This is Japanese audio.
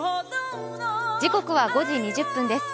時刻は５時２０分です。